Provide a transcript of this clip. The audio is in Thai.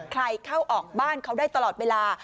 เข้าออกบ้านเขาได้ตลอดเวลา